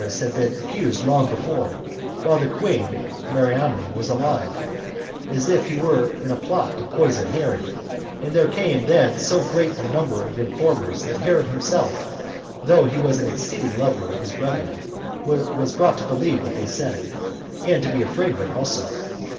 Nay, Pheroras had been accused long before, while the queen [Mariamne] was alive, as if he were in a plot to poison Herod; and there came then so great a number of informers, that Herod himself, though he was an exceeding lover of his brethren, was brought to believe what was said, and to be afraid of it also.